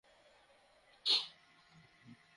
তারপর আপনি আমাকে তার বিরুদ্ধে বিজয় দান করুন।